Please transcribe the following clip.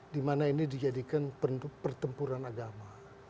di mana ini dijadikan pertempuran agama